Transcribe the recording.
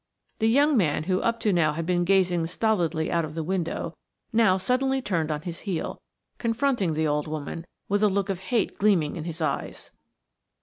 The young man, who up to now had been gazing stolidly out of the window, now suddenly turned on his heel, confronting the old woman, with a look of hate gleaming in his eyes.